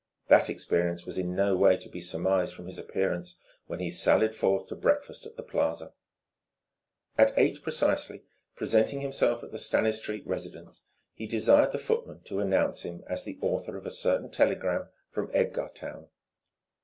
That experience was in no way to be surmised from his appearance when he sallied forth to breakfast at the Plaza. At eight precisely, presenting himself at the Stanistreet residence, he desired the footman to announce him as the author of a certain telegram from Edgartown.